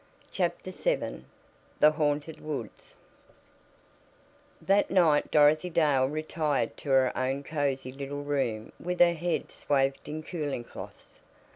CHAPTER VII THE HAUNTED WOODS That night Dorothy Dale retired to her own cozy little room with her head swathed in cooling cloths.